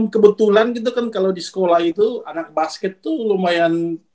kebetulan gitu kan kalau di sekolah itu anak basket tuh lumayan